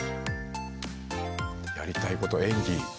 やりたいこと演技。